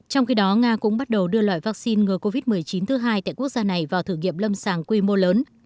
trong khi đó nga cũng bắt đầu đưa loại vaccine ngừa covid một mươi chín thứ hai tại quốc gia này vào thử nghiệm lâm sàng quy mô lớn